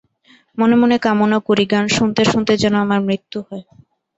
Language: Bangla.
মনে মনে কামনা করি, গান শুনতে শুনতে যেন আমার মৃত্যু হয়।